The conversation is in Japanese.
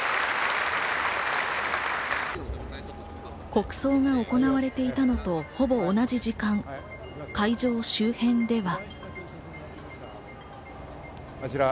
国葬が行われていたのとほぼ同じ時間、会場周辺では。